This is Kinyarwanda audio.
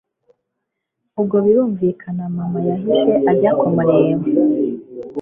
ubwo birumvikana mama yahise ajya kumureba